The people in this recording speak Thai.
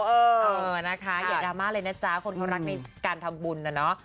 เออนะคะอย่าดราม่าเลยนะจ๊ะคนเขารักในการทำบุญนะเนาะ